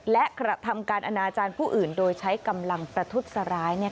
และกระทำการอนาจารย์ผู้อื่นโดยใช้กำลังประทุษร้าย